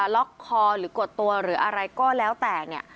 ล็อคคอร์หรือกดตัวหรืออะไรก็แล้วแต่